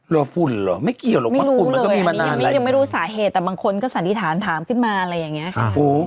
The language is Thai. แล้วฝุ่นหรอไม่เกี่ยวหรอกว่าฝุ่นมันก็มีมานานอะไรไม่รู้เลยยังไม่รู้สาเหตุแต่บางคนก็สันติฐานถามขึ้นมาอะไรอย่างเงี้ยค่ะ